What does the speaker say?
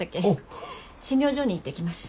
診療所に行ってきます。